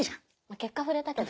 結果触れたけどね。